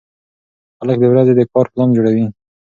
خلک د ورځې د کار پلان جوړوي